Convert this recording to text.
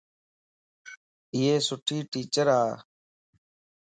ائي سُٺي ٽيچر ا